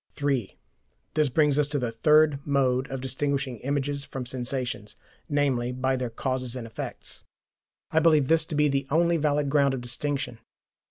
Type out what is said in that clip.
(3) This brings us to the third mode of distinguishing images from sensations, namely, by their causes and effects. I believe this to be the only valid ground of distinction.